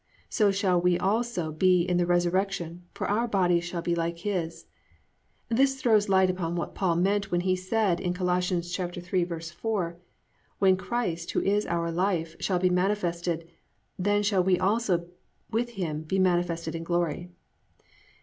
So shall we also be in the resurrection, for our bodies shall be like His. This throws light upon what Paul meant when he said in Col. 3:4: +"When Christ, who is our life, shall be manifested, then shall we also with him be manifested in glory."